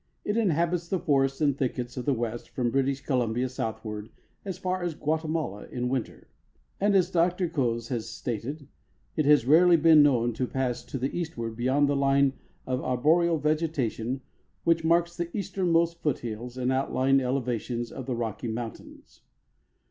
It inhabits the forests and thickets of the West from British Columbia southward as far as Guatemala in winter. And, as Dr. Coues has stated, it has rarely been known to pass to the eastward beyond the line of arboreal vegetation, which marks the easternmost foothills and outlying elevations of the Rocky Mountains.